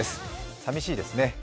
さびしいですね。